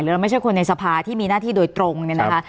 เราไม่ใช่คนในสภาที่มีหน้าที่โดยตรงเนี่ยนะคะ